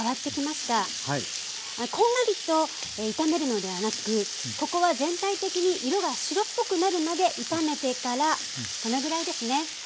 こんがりと炒めるのではなくここは全体的に色が白っぽくなるまで炒めてからこのぐらいですね